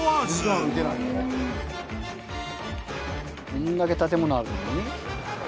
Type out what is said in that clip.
こんだけ建物あるのに？